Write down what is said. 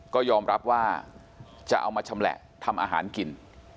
ก็ยอมรับว่าจะเอามาชำแหละทำอาหารกิน